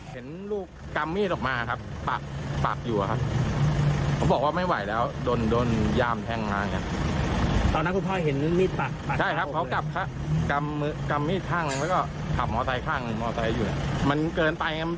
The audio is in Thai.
เป็นที่ก็มีกระบองอะไรแค่นี้พ่อแต่นี่เหมือนแบบ